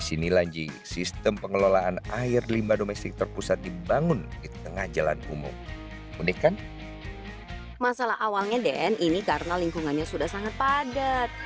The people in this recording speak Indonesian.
ini karena lingkungannya sudah sangat padat